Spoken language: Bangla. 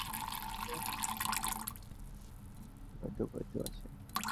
সংগীতবিদ্যার দ্বারে সপ্তসুর অনবরত পাহারা দিচ্ছে, সেখানে কি আমার ঢোকবার জো আছে।